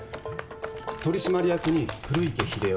取締役に古池秀雄。